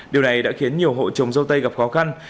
điều này đã khiến nhiều hộ trồng dâu tây gặp khó khăn